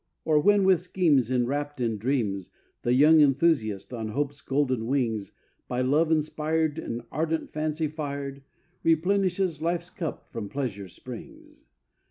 Or when with schemes enwrapt in dreams The young enthusiast on Hope's golden wings, By love inspired and ardent fancy fired, Replenishes life's cup from pleasure's springs.